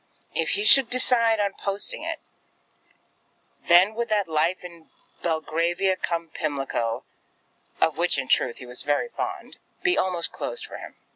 If he should decide on posting it, then would that life in Belgravia cum Pimlico, of which in truth he was very fond, be almost closed for him.